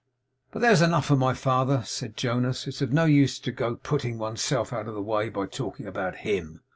'But there's enough of my father,' said Jonas; 'it's of no use to go putting one's self out of the way by talking about HIM.